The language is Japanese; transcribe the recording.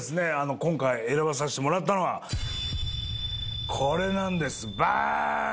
今回選ばさせてもらったのはこれなんですバーン